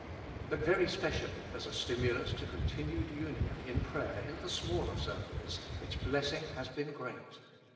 But very specially as a stimulus to continued union in prayer in the smaller circles, its blessing has been great.